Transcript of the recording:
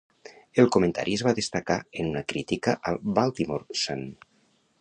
El comentari es va destacar en una crítica al "Baltimore Sun".